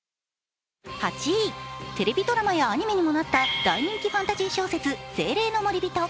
８位、テレビドラマやアニメにもなった、大人気ファンタジー、「精霊の守り人」。